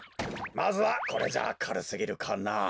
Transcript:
まずはこれじゃあかるすぎるかな？